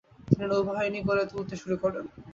তিনি নৌবাহিনী গড়ে তুলতে শুরু করেন।